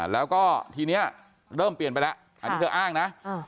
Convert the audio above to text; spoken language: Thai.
แล้วก็ทีนี้เริ่มเปลี่ยนไปแล้วอันนี้เธออ้างนะ